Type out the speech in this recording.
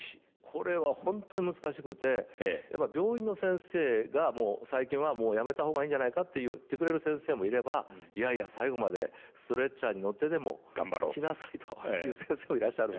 これは本当に難しくてやっぱ病院の先生が最近は「もうやめた方がいいんじゃないか」って言ってくれる先生もいれば「いやいや最期までストレッチャーに乗ってでも来なさい」という先生もいらっしゃる。